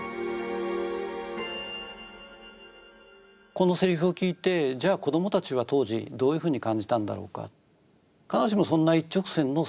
このセリフを聞いてじゃあ子どもたちは当時どういうふうに感じたんだろうか。